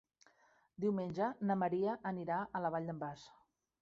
Diumenge na Maria anirà a la Vall d'en Bas.